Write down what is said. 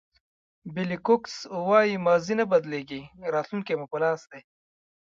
بېلي کوکس وایي ماضي نه بدلېږي راتلونکی مو په لاس دی.